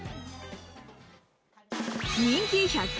人気１００均